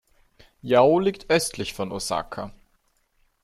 Yao liegt östlich von Osaka.